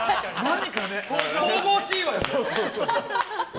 神々しいわよね。